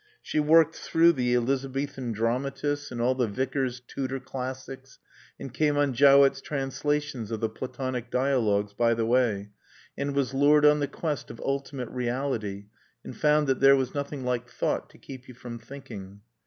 She worked through the Elizabethan dramatists and all the Vicar's Tudor Classics, and came on Jowett's Translations of the Platonic Dialogues by the way, and was lured on the quest of Ultimate Reality, and found that there was nothing like Thought to keep you from thinking.